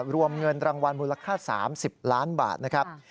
รวมเงินรางวัลมูลค่า๓๐ล้านบาทนะครับ